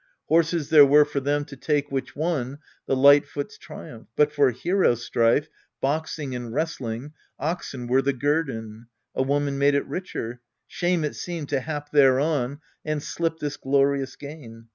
Horses there were for them to take which won The light foot's triumph ; but for hero strife, Boxing and wrestling, oxen were the guerdon : A woman made it richer. Shame it seemed To hap thereon, and slip this glorious gain.